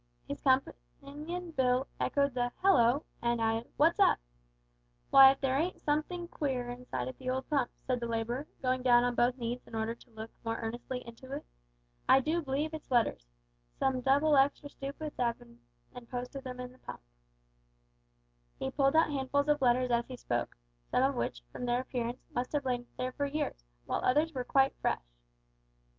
His companion Bill echoed the "Hallo!" and added "What's up?" "W'y, if there ain't somethink queer inside of the old pump," said the labourer, going down on both knees in order to look more earnestly into it. "I do b'lieve it's letters. Some double extra stoopids 'ave bin an' posted 'em in the pump." He pulled out handfuls of letters as he spoke, some of which, from their appearance, must have lain there for years, while others were quite fresh!